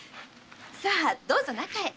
さあどうぞ中へ。